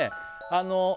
あの